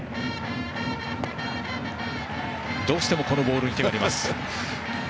どうしてもこのボールに手が出ます。